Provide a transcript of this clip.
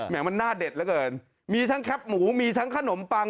แหม่งมันน่าเด็ดแล้วกันมีทั้งแคปหมูมีทั้งขนมปัง